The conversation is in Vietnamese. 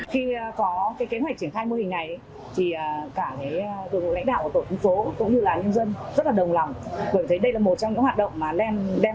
khi có kế hoạch triển thai mô hình này thì cả đội ngũ lãnh đạo của tổ chính phố cũng như là nhân dân rất là đồng lòng